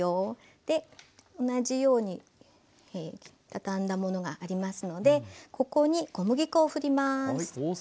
で同じようにたたんだものがありますのでここに小麦粉をふります。